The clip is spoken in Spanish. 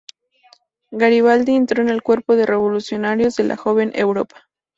Garibaldi entró en el cuerpo de revolucionarios de La joven Europa.